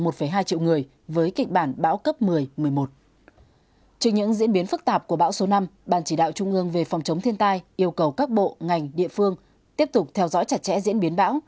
trước những diễn biến phức tạp của bão số năm ban chỉ đạo trung ương về phòng chống thiên tai yêu cầu các bộ ngành địa phương tiếp tục theo dõi chặt chẽ diễn biến bão